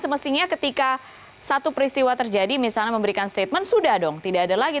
semestinya ketika satu peristiwa terjadi misalnya memberikan statement sudah dong tidak ada lagi